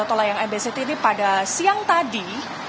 tolayang mbz ini pada siang tadi